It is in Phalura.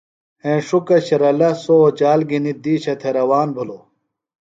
ہینݜُکہ شرلہ سوۡ اوچال گِھنیۡ دِیشہ تھےۡ روان بِھلوۡ۔